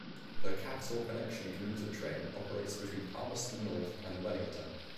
The Capital Connection commuter train operates between Palmerston North and Wellington.